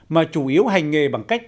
mà chủ yếu hành nghề bằng cách